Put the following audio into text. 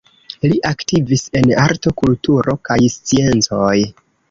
Li aktivis en arto, kulturo kaj sciencoj.